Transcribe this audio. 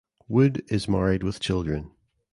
Wood is married with children.